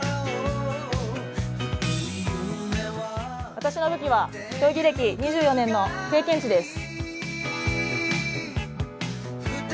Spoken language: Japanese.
私の武器は競技歴２４年の経験値です。